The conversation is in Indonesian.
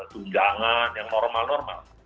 tunjangan yang normal normal